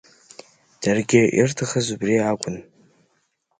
Даргьы ирҭахыз убри акәын.